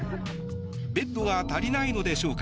ベッドが足りないのでしょうか。